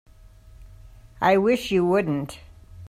I wish you wouldn't.